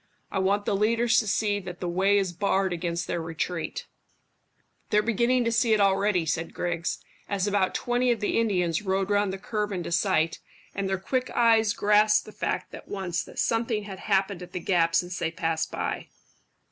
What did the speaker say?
I want the leaders to see that the way is barred against their retreat." "They're beginning to see it already," said Griggs, as about twenty of the Indians rode round the curve into sight, and their quick eyes grasped the fact at once that something had happened at the gap since they passed by.